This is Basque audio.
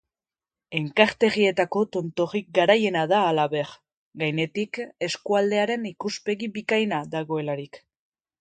Enkarterrietako tontorrik garaiena da halaber, gainetik eskualdearen ikuspegi bikaina dagoelarik.